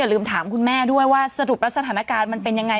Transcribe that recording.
ลืมถามคุณแม่ด้วยว่าสรุปแล้วสถานการณ์มันเป็นยังไง